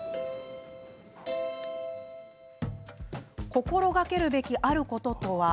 心がけるべき、あることとは。